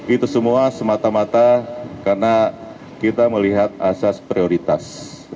itu semua semata mata karena kita melihat asas prioritas